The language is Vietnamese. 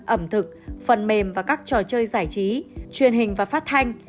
ẩm thực phần mềm và các trò chơi giải trí truyền hình và phát thanh